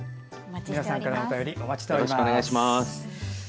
皆さんからのお便りお待ちしております。